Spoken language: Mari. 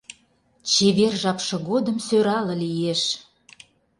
Чевер жапше годым сӧрале лиеш —